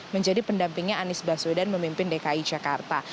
menjadi pendampingnya anies baswedan memimpin dki jakarta